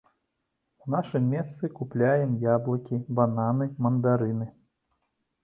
У нашым месцы купляем яблыкі, бананы, мандарыны.